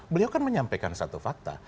beliau kan menyampaikan satu fakta